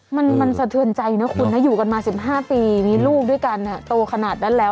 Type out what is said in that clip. มันสะเทือนใจนะคุณนะอยู่กันมา๑๕ปีมีลูกด้วยกันโตขนาดนั้นแล้ว